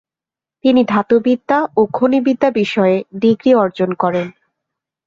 তিনি ধাতুবিদ্যা ও খনিবিদ্যা বিষয়ে ডিগ্রি অর্জন করেন।